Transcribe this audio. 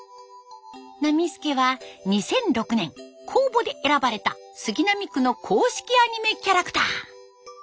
なみすけは２００６年公募で選ばれた杉並区の公式アニメキャラクター。